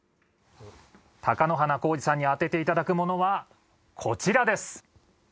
貴乃花光司さんに当てていただくものはこちらです。